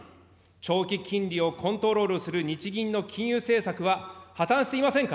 長期金利をコントロールする日銀の金融政策は、破綻していませんか。